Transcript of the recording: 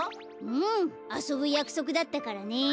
うんあそぶやくそくだったからね。